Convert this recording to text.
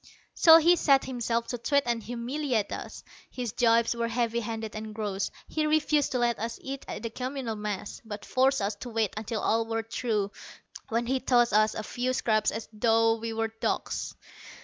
So he set himself to twit and humiliate us. His jibes were heavy handed and gross. He refused to let us eat at the communal mess, but forced us to wait until all were through, when he tossed us a few scraps as though we were dogs.